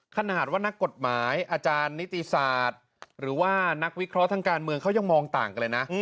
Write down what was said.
ขนาดว่านักกฎหมายอาจารย์นิติศาสตร์หรือว่านักวิเคราะห์ทางการเมืองเขายังมองต่างกันเลยนะ